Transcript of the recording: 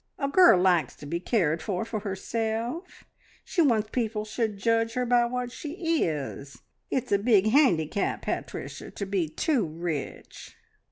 A girl likes to be cared for for herself: she wants people should judge her by what she is. It's a big handicap, Pat ricia, to be too rich."